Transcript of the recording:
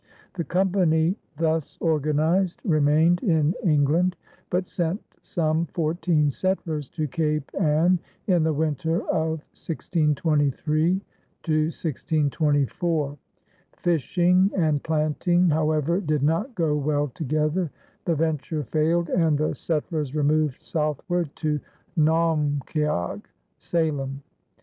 The company thus organized remained in England but sent some fourteen settlers to Cape Ann in the winter of 1623 1624. Fishing and planting, however, did not go well together, the venture failed, and the settlers removed southward to Naumkeag (Salem).